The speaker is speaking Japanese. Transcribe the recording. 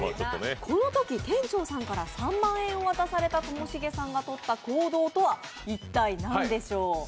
このとき店長さんから３万円を渡されたともしげさんがとった行動とは一体、何でしょう？